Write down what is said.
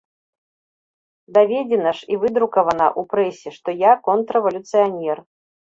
Даведзена ж і выдрукавана ў прэсе, што я контррэвалюцыянер.